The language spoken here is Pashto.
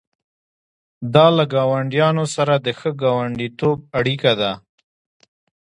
دا له ګاونډیانو سره د ښه ګاونډیتوب اړیکه ده.